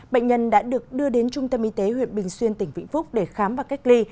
bệnh nhân đã được đưa đến trung tâm y tế huyện bình xuyên tỉnh vĩnh phúc để khám và cách ly